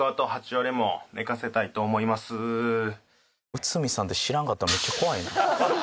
内海さんって知らんかったらめっちゃ怖いな。